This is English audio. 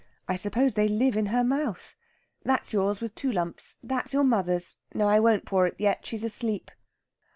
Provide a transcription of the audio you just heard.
I suppose they live in her mouth. That's yours with two lumps. That is your mother's no, I won't pour it yet. She's asleep."